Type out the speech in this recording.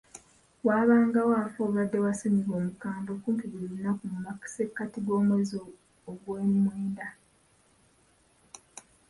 Waabangawo afa obulwadde bwa ssennyiga omukambwe kumpi buli lunaku mu masekkati gw'omwezi ogwomwenda.